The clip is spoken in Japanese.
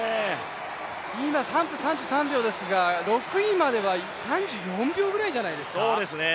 今、３分３３秒ですが６位までは３４秒くらいじゃないですか。